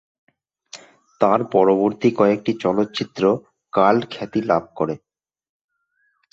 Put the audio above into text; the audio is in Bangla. তার পরবর্তী কয়েকটি চলচ্চিত্র কাল্ট খ্যাতি লাভ করে।